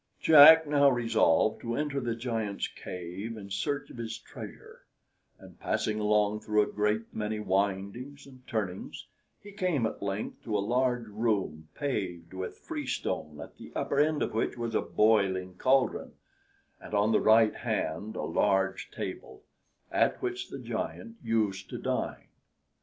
Jack now resolved to enter the giant's cave in search of his treasure, and, passing along through a great many windings and turnings, he came at length to a large room paved with freestone, at the upper end of which was a boiling caldron, and on the right hand a large table, at which the giant used to dine.